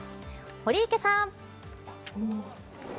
堀池さん。